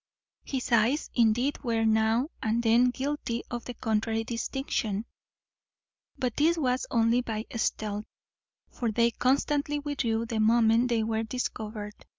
His eyes, indeed, were now and then guilty of the contrary distinction, but this was only by stealth; for they constantly withdrew the moment they were discovered.